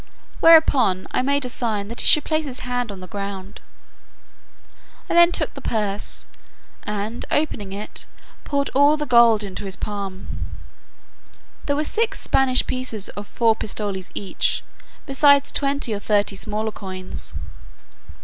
Whereupon I made a sign that he should place his hand on the ground. I then took the purse, and, opening it, poured all the gold into his palm. There were six Spanish pieces of four pistoles each, beside twenty or thirty smaller coins.